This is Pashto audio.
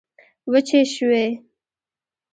وچي شوې